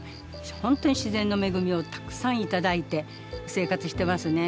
ほんとに自然の恵みをたくさんいただいて生活してますね。